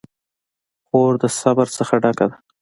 خور د صبر نه ډکه ده.